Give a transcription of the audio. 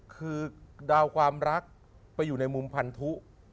คือดาวความรักไปอยู่ในมุมพันธุ